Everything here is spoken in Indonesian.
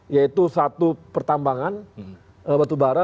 yaitu satu pertambangan batu bara